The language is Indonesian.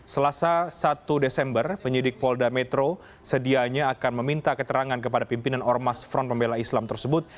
selasa satu desember penyidik polda metro sedianya akan meminta keterangan kepada pimpinan ormas front pembela islam tersebut